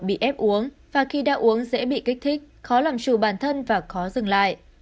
bị ép uống và khi đã uống dễ bị kích thích khó làm trù bản thân và khó dừng lại